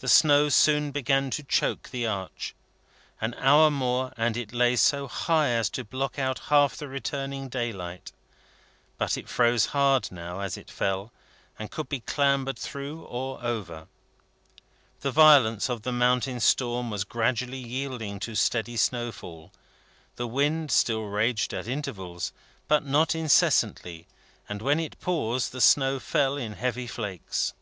The snow soon began to choke the arch. An hour more, and it lay so high as to block out half the returning daylight. But it froze hard now, as it fell, and could be clambered through or over. The violence of the mountain storm was gradually yielding to steady snowfall. The wind still raged at intervals, but not incessantly; and when it paused, the snow fell in heavy flakes.